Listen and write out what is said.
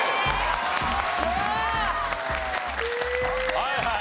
はいはい。